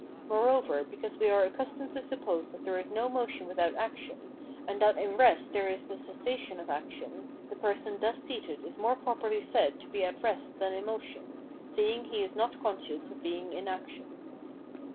Moreover, because we are accustomed to suppose that there is no motion without action, and that in rest there is the cessation of action, the person thus seated is more properly said to be at rest than in motion, seeing he is not conscious of being in action.